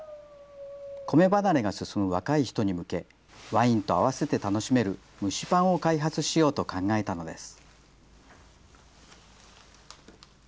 米離れが進む若い人に向け、ワインと合わせて楽しめる蒸しパンを開発しようと考えたのです。